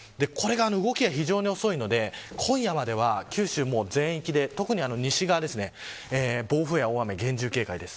動きが非常に遅いので今夜までは九州全域で、特に西側で暴風や大雨、厳重警戒です。